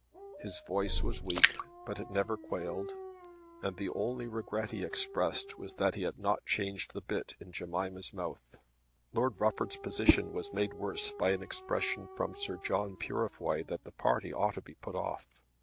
His voice was weak, but it never quailed; and the only regret he expressed was that he had not changed the bit in Jemima's mouth. Lord Rufford's position was made worse by an expression from Sir John Purefoy that the party ought to be put off.